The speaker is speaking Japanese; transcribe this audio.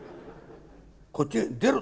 こっちへ出ろ。